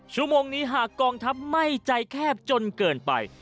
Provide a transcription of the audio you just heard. ชั่วโมงนี้หากกองทัพไม่ใจแคบจนเกินไป